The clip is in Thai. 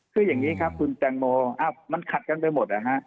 คืออย่างนี้ครับคุณแตงโมมันขัดกันไปหมดนะฮะ